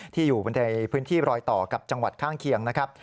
อยู่บนในพื้นที่รอยต่อกับจังหวัดข้างเคียงนะครับ